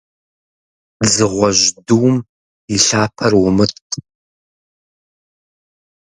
Дзыгъуэжь, дум и лъапэр умытӀ.